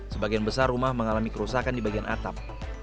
sebagian besar rumah mengalami kerusakan di bagian atap